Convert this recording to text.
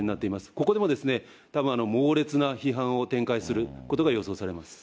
ここでもたぶん、猛烈な批判を展開することが予想されます。